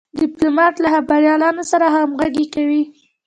ډيپلومات له خبریالانو سره همږغي کوي.